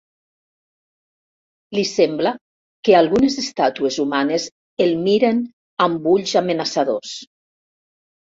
Li sembla que algunes estàtues humanes el miren amb ulls amenaçadors.